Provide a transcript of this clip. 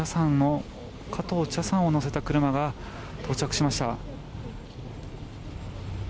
加藤茶さんを乗せた車が到着しました。